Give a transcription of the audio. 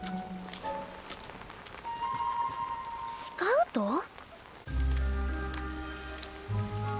スカウト？